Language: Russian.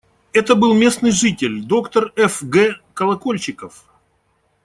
Это был местный житель, доктор Ф. Г. Колокольчиков.